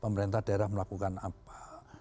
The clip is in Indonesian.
pemerintah daerah melakukan apa